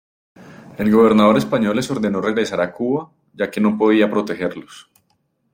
El gobernador español les ordenó regresar a Cuba, ya que no podía protegerlos.